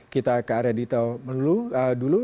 kita ke area dita dulu